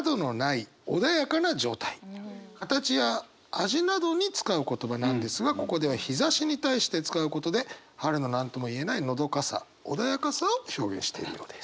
形や味などに使う言葉なんですがここでは日ざしに対して使うことで春の何とも言えないのどかさ穏やかさを表現しているようです。